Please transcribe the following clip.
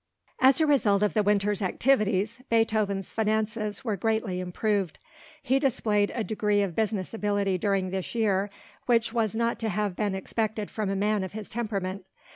As a result of the winter's activities, Beethoven's finances were greatly improved. He displayed a degree of business ability during this year, which was not to have been expected from a man of his temperament.